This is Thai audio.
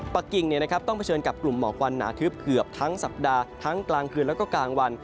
กิ่งต้องเผชิญกับกลุ่มหมอกวันหนาทึบเกือบทั้งสัปดาห์ทั้งกลางคืนแล้วก็กลางวัน